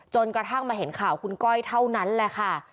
กระทั่งมาเห็นข่าวคุณก้อยเท่านั้นแหละค่ะ